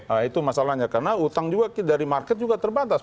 nah itu masalahnya karena utang juga dari market juga terbatas